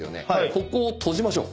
ここを閉じましょう。